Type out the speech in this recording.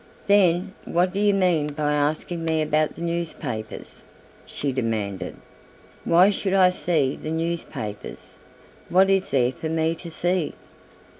"Then what do you mean by asking me about the newspapers!" she demanded; "why should I see the newspapers what is there for me to see?"